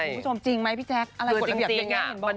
คุณผู้ชมจริงไหมพี่แจ๊กอะไรกดละเบียบเยี่ยมเยี่ยมบอก